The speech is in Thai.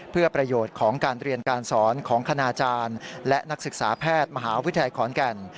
เพื่อประโยชน์ของการเรียนการสอนของคณาจารย์และนักศึกษาแพทย์มหาวิทยาลัยขอนแก่น